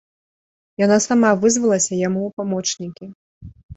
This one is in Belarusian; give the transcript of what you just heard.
Яна сама вызвалася яму ў памочнікі.